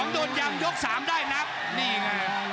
โดนยำยก๓ได้นับนี่ไง